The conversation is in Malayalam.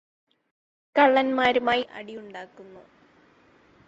കള്ളന്മാരുമായി അടിയുണ്ടാക്കുന്നു